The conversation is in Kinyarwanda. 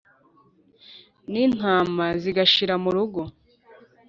n’intama zigashira mu rugo